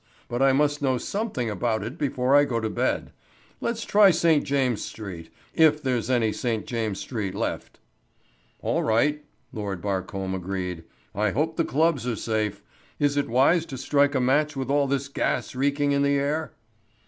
But I must know something about it before I go to bed. Let's try St. James's Street if there's any St. James's Street left." "All right," Lord Barcombe agreed, "I hope the clubs are safe. Is it wise to strike a match with all this gas reeking in the air?"